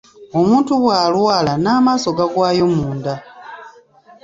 Omuntu bw'alwala n'amaaso gagwayo munda.